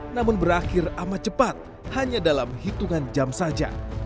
namun berakhir amat cepat hanya dalam hitungan jam saja